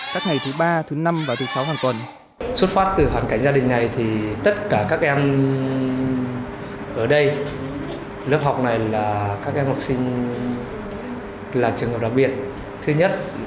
các ngày thứ ba thứ năm và thứ sáu hàng tuần